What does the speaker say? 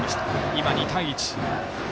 今、２対１。